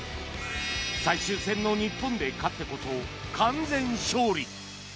最終戦の日本で勝ってこそ完全勝利。